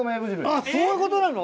そういうことなの？